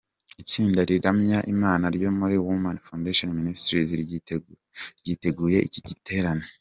Itsinda riramya Imana ryo muri Women Foundation Ministries ryiteguye icyi giterane.